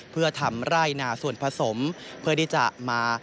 เพื่อทำไร่นาส่วนผสมเพื่อที่จะมา